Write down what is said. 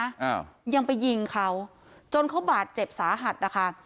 อ้าวยังไปยิงเขาจนเขาบาดเจ็บสาหัสนะคะ